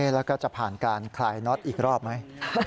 แล้วก็จะผ่านการคลายน็อตอีกรอบไหม